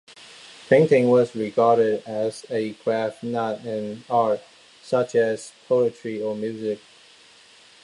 Painting was regarded as a craft, not an art such as poetry or music.